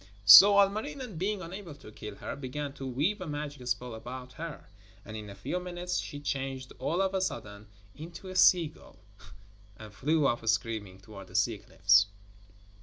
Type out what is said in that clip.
So Ilmarinen, being unable to kill her, began to weave a magic spell about her, and in a few minutes she changed all of a sudden into a seagull, and flew off screaming towards the sea cliffs.